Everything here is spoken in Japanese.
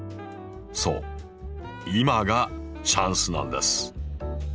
そう今がチャンスなんです！